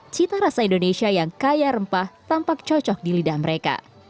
cita rasa indonesia yang kaya rempah tampak cocok di lidah mereka